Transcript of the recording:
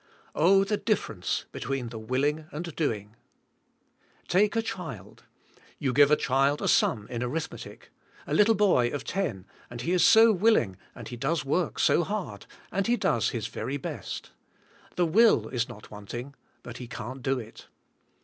Oh, the difference be tween the willing and doing. Take a child. You g ive a child a sum in arithmetic — a little boy of ten and he is so willing and he does work so hard, and he does his very best. The will is not wanting* but he can't do it.